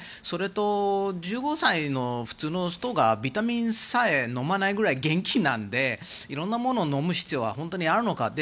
それと１５歳の普通の人がビタミンさえ飲まないくらい元気なので、いろんなものを飲む必要が本当にあるのか。